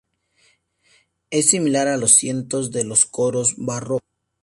Es similar a los asientos de los coros barrocos.